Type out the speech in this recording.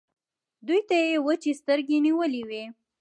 دوی ته يې وچې سترګې نيولې وې.